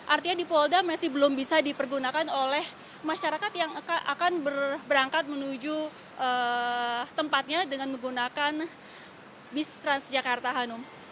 artinya di polda masih belum bisa dipergunakan oleh masyarakat yang akan berangkat menuju tempatnya dengan menggunakan bis transjakarta hanum